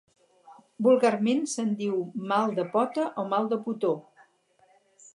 Vulgarment se'n diu mal de pota o mal de potó.